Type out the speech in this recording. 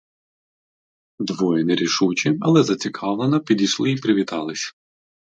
Двоє нерішуче, але зацікавлено підійшли й привітались.